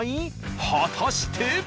果たして？